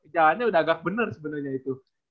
jalannya udah agak bener sebenernya itu